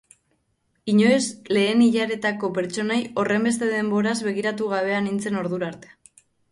Inoiz lehen ilaretako pertsonei horrenbeste denboraz begiratu gabea nintzen ordura arte.